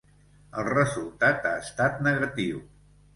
El resultat ha estat negatiu.